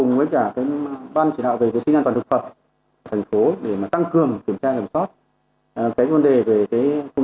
ngày em bán theo cấp kiện